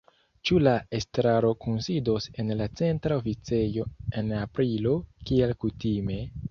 Ĉu la estraro kunsidos en la Centra Oficejo en aprilo, kiel kutime?